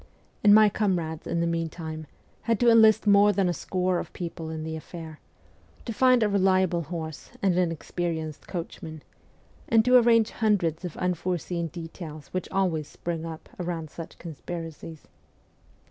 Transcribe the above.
And my comrades, in the meantime, had to enlist more than a score of people in the affair, to find a reliable horse and an experienced coachman, and to arrange hundreds of unforeseen details which always spring up around such conspiracies.